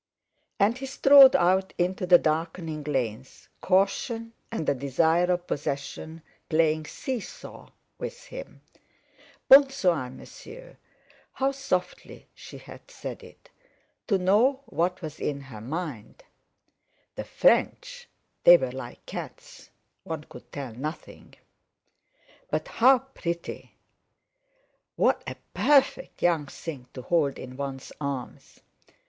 And he strode out into the darkening lanes, caution and the desire of possession playing see saw within him. "Bon soir, monsieur!" How softly she had said it. To know what was in her mind! The French—they were like cats—one could tell nothing! But—how pretty! What a perfect young thing to hold in one's arms!